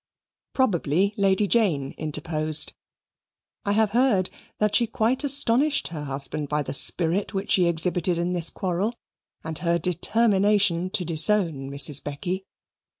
Probably Lady Jane interposed. I have heard that she quite astonished her husband by the spirit which she exhibited in this quarrel, and her determination to disown Mrs. Becky.